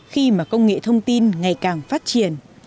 khi mà công nghệ thông tin ngày càng phát triển